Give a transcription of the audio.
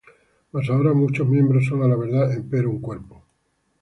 Mas ahora muchos miembros son á la verdad, empero un cuerpo.